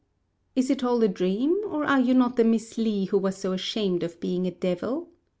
Is it all a dream, or are you not the Miss Li who was so ashamed of being a devil?"